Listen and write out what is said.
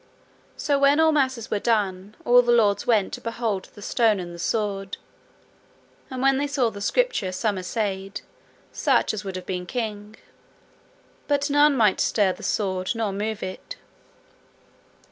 So when all masses were done all the lords went to behold the stone and the sword. And when they saw the scripture some assayed, such as would have been king. But none might stir the sword nor move it.